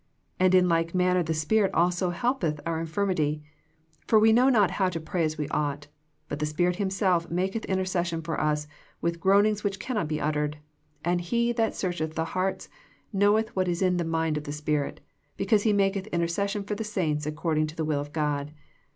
And in like manner the Spirit also helpeth our infirmity : for we know not how to pray as we ought ; but the Spirit Himself maketh intercession for us with groanings which cannot be uttered ; and He that searcheth the hearts knoweth what is in the mind of the Spirit, because He m,aketh intercession for the saints according to the will of God.